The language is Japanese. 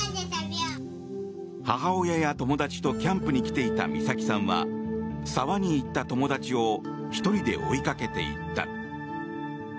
母親や友達とキャンプに来ていた美咲さんは沢に行った友達を１人で追いかけていった。